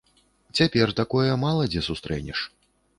Цяпер такое мала дзе сустрэнеш.